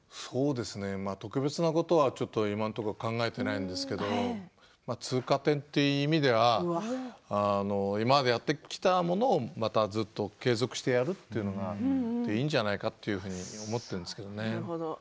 特別なことはちょっと今のところ考えていないんですけど通過点という意味では今までやってきたものをまたずっと継続してやるというのがそれでいいんじゃないかというふうに思っているんですけどね。